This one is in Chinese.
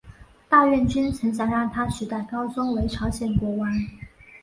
大院君曾想让他取代高宗为朝鲜国王。